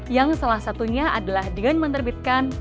yang salah satunya adalah dengan menerbitkan